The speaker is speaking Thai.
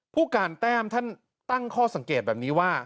ผู้การแต้มท่านตั้งข้อสังเกตแบบนี้ว่า